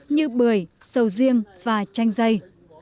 như bưởi sầu riêng và chanh dây